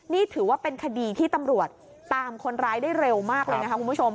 นี่ถือว่าเป็นคดีที่ตำรวจตามคนร้ายได้เร็วมากเลยนะคะคุณผู้ชม